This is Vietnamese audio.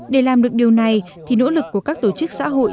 để làm được điều này thì nỗ lực của các tổ chức xã hội